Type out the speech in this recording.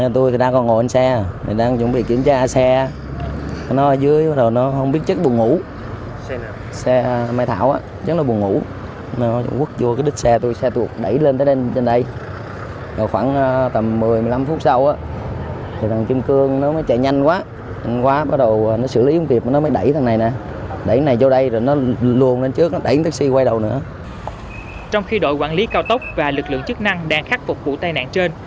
trong khi đội quản lý cao tốc và lực lượng chức năng đang khắc phục vụ tai nạn trên